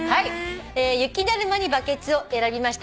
「雪だるまにバケツ」を選びました